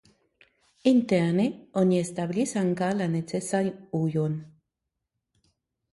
Interne oni establis ankaŭ la necesan ujon.